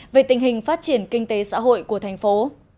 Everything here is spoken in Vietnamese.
về tình hình phát triển kinh tế xã hội của thành phố